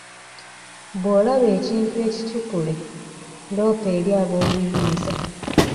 Bw'olaba ekintu ekicupule, loopa eri aboobuyinza.